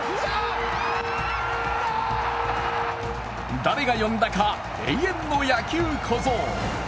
誰が呼んだか、永遠の野球小僧。